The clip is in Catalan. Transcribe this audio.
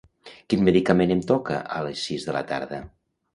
Quin medicament em toca a les sis de la tarda?